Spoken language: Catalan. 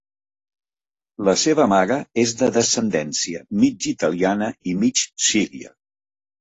La seva mare és de descendència mig italiana i mig síria.